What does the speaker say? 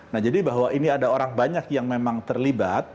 nah jadi bahwa ini ada orang banyak yang memang terlibat